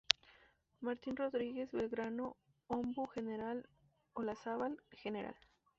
Martín Rodriguez, Belgrano, Ombú, General Olazábal, Gral.